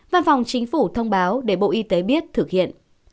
văn phòng chính phủ thông báo để bộ y tế biết thực hiện